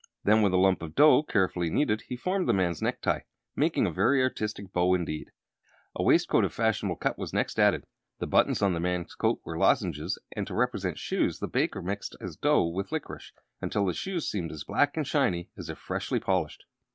Then with a lump of dough, carefully kneaded, he formed the man's necktie, making a very artistic bow indeed. A waistcoat of fashionable cut was next added. The buttons on the man's coat were white lozenges, and to represent shoes the baker mixed his dough with licorice, until the shoes seemed as black and shiny as if freshly polished.